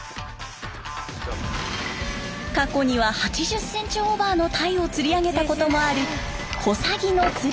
過去には８０センチオーバーの鯛を釣り上げたこともある小佐木の釣り